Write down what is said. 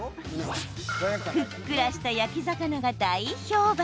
ふっくらした焼き魚が大評判